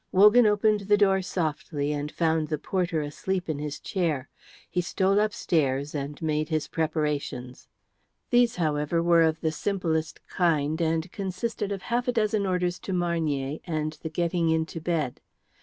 Wogan opened the door softly and found the porter asleep in his chair. He stole upstairs and made his preparations. These, however, were of the simplest kind, and consisted of half a dozen orders to Marnier and the getting into bed.